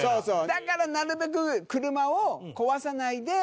だから、なるべく車を壊さないで。